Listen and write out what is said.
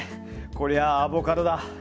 これはアボカドだ！